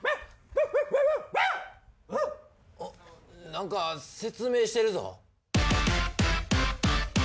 何か説明してるぞ。